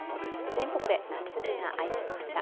全国で夏日が相次ぎました。